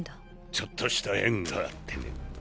ちょっとした縁があってね。